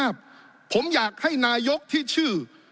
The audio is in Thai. ผมอยากให้นายกที่ชื่อ